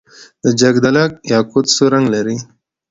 د جګدلک یاقوت سور رنګ لري.